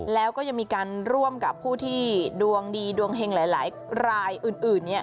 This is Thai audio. แล้วก็ยังมีการร่วมกับผู้ที่ดวงดีดวงเฮงหลายรายอื่น